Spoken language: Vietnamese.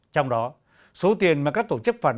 trong đó số tiền mà các tổ chức phản ánh